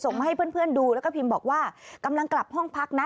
มาให้เพื่อนดูแล้วก็พิมพ์บอกว่ากำลังกลับห้องพักนะ